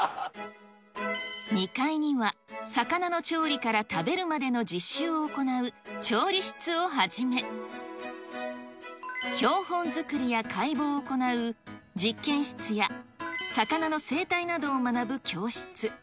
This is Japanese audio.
２階には、魚の調理から食べるまでの実習を行う調理室をはじめ、標本作りや解剖を行う実験室や、魚の生態などを学ぶ教室。